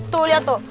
tuh liat tuh